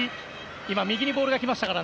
今、右にボールが来ましたから。